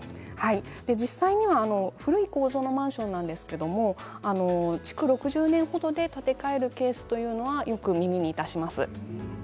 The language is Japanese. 実際には古い構造のマンションなんですけれど築６０年程で、建て替えるというケースはよく耳にいたします。